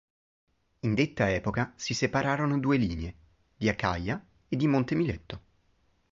In detta epoca si separarono due linee: di Acaja e di Montemiletto..